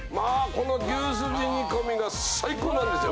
この牛すじ煮込みが最高なんですよ。